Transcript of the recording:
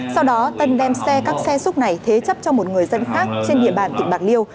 sau đó tân đem xe các xe xúc này thế chấp cho một người dân khác trên địa bàn tỉnh bạc liêu